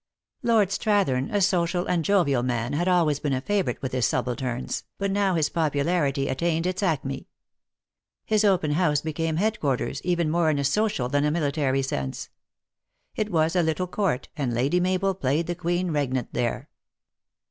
Lord Strathern, a social and jovial man, had always been a favorite with his subalterns, but now his pop THE ACTRESS IN HIGH LIFE. 23 ularity attained its acme. His open house became headquarters, even more in a social than a military sense. It was a little court, and Lady Mabel played the queen regnant there.